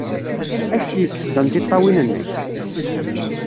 Ad ak-d-yekkes Dan tiṭṭawin-nnek!